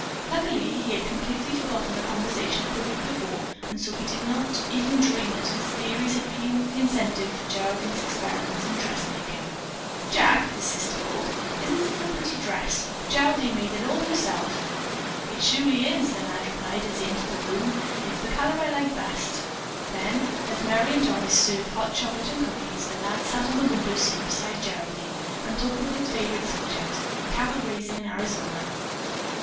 Luckily he had completely forgotten the conversation of the week before and so he did not even dream that his theories had been the incentive for Geraldine's experiments in dressmaking. "Jack," his sister called, "isn't this a pretty dress? Geraldine made it all herself." "It surely is!" the lad replied as he entered the room. "It's the color I like best." Then, as Merry and Doris served hot chocolate and cookies, the lad sat on the window seat beside Geraldine and talked about his favorite subject, cattle raising in Arizona.